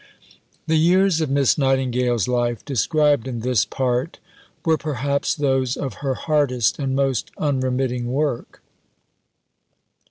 The years of Miss Nightingale's life, described in this Part, were perhaps those of her hardest and most unremitting work.